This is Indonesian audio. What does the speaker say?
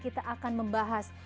kita akan membahas